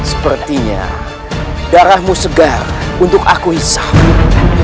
sepertinya darahmu segar untuk aku isah